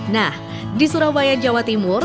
nah di surabaya jawa timur